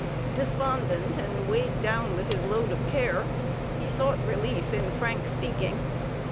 Despondent and weighed down with his load of care, he sought relief in frank speaking.